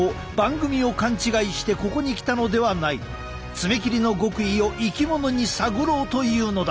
爪切りの極意を生き物に探ろうというのだ。